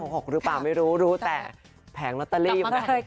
หรือเปล่าไม่รู้รู้แต่แผงลอตเตอรี่ไหม